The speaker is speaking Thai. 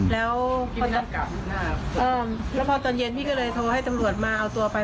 แล้วพอตอนเย็นพี่ก็เลยโทรให้ตำรวจมาเอาตัวไป